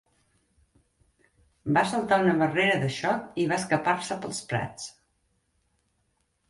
Va saltar una barrera de xoc i va escapar-se pels prats.